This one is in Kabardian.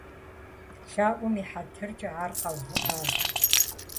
ЛъэӀум и хьэтыркӀэ, ар къэувыӀащ.